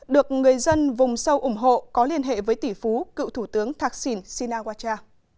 được người dân vùng sâu ủng hộ có liên hệ với tỷ phú cựu thủ tướng thạc sìn sinawacha